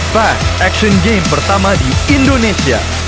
five action game pertama di indonesia